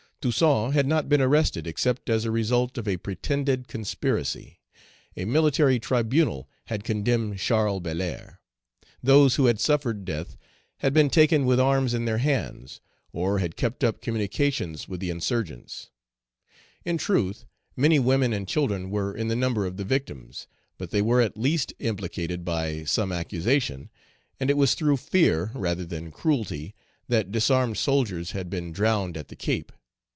Toussaint had not been arrested except as a result of a pretended conspiracy; a military tribunal had condemned Charles Belair. Those who had suffered death had been taken with arms in their hands, or had kept up communications with Page 259 the insurgents. In truth, many women and children were in the number of the victims, but they were at least implicated by some accusation, and it was through fear rather than cruelty that disarmed soldiers had been drowned at the Cape.